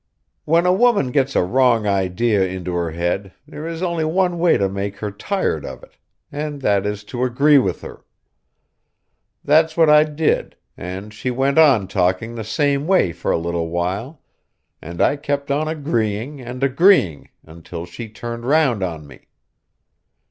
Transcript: When a woman gets a wrong idea into her head, there is only one way to make her tired of it, and that is to agree with her. That's what I did, and she went on talking the same way for a little while, and I kept on agreeing and agreeing until she turned round on me.